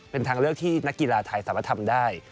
เป็นทางเลือกที่นักกีฬาไทยสามารถทำได้